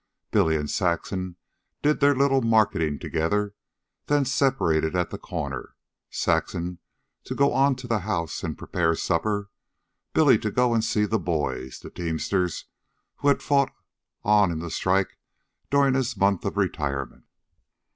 Billy and Saxon did their little marketing together, then separated at the corner, Saxon to go on to the house and prepare supper, Billy to go and see the boys the teamsters who had fought on in the strike during his month of retirement.